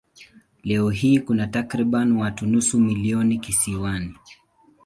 Leo hii kuna takriban watu nusu milioni kisiwani.